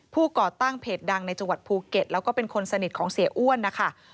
ก่อตั้งเพจดังในจังหวัดภูเก็ตแล้วก็เป็นคนสนิทของเสียอ้วนนะคะ